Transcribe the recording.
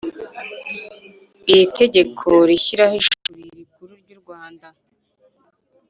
iri tegeko rishyiraho ishuri rikuru ry u rwanda